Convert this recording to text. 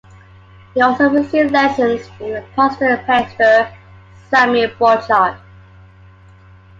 He also received lessons from a Protestant pastor, Samuel Bochart.